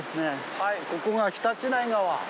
はいここが比立内川。